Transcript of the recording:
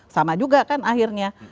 sama juga kan akhirnya